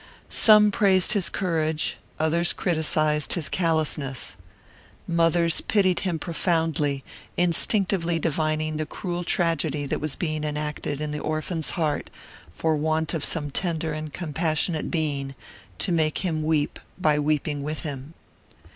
Some praised his courage, others criticized his callousness. Mothers pitied him profoundly, instinctively divining the cruel tragedy that was being enacted in the orphan's heart for want of some tender and compassionate being to make him weep by weeping with him.